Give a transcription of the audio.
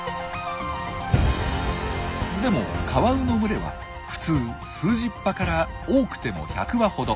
でもカワウの群れは普通数十羽から多くても１００羽ほど。